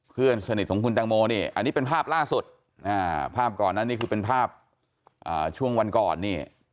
เพื่อนสนิทของคุณแตงโมนี่อันนี้เป็นภาพล่าสุดภาพก่อนนั้นนี่คือเป็นภาพช่วงวันก่อนนี่